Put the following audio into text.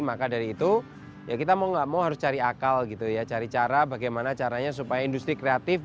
maka dari itu kita mau tidak mau harus cari akal cari cara bagaimana caranya supaya industri kreatif